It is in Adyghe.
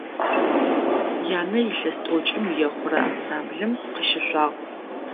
Янэ илъэс тӏокӏым ехъурэ ансамблым къыщышъуагъ.